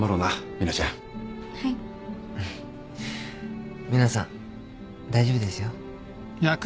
ミナさん大丈夫ですよ。